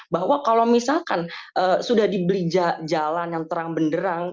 bahwa kalau misalkan sudah dibeli jalan yang terang benderang